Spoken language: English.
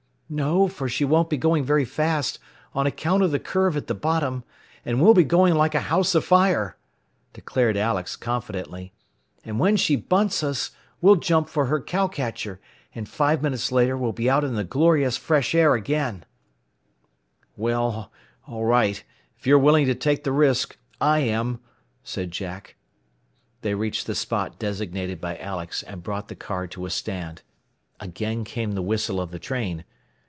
"No, for she won't be going very fast, on account of the curve at the bottom, and we'll be going like a house afire," declared Alex, confidently. "And when she bunts us, we'll jump for her cow catcher, and five minutes later we'll be out in the glorious fresh air again." [Illustration: CLOSER CAME THE ROARING MONSTER.] "Well, all right. If you are willing to take the risk, I am," said Jack. They reached the spot designated by Alex, and brought the car to a stand. Again came the whistle of the train.